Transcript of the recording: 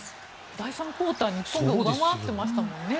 第３クオーター日本が上回っていましたもんね。